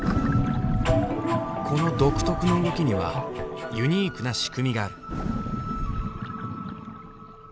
この独特の動きにはユニークな仕組みがある。